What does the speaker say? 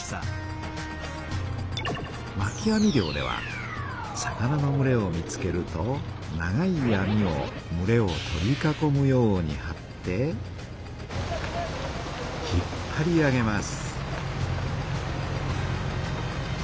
まき網漁では魚のむれを見つけると長い網をむれを取り囲むようにはって引っぱり上げます。